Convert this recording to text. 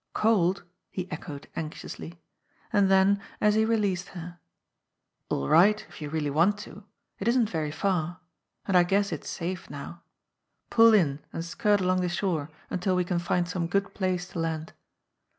"Cold !" he echoed anxiously ; and then, as he released her: "All right, if you really want to. It isn't very far. And I guess it's safe now. Pull in and skirt along the shore until we can find some good place to land."